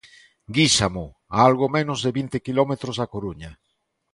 Guísamo, a algo menos de vinte quilómetros da Coruña.